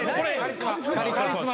・カリスマ。